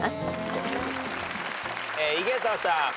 井桁さん。